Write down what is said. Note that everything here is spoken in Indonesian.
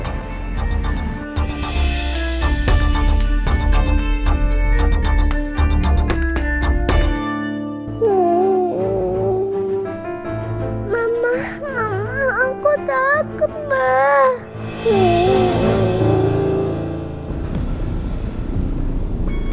mama mama aku takut banget